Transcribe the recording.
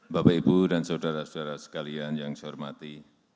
bapak ibu dan saudara saudara sekalian yang saya hormati